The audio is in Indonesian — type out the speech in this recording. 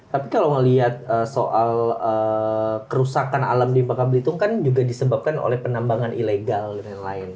tapi kalau melihat soal kerusakan alam di bangka belitung kan juga disebabkan oleh penambangan ilegal dan lain lain